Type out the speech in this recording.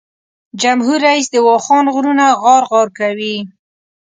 جمهور رییس د واخان غرونه غار غار کوي.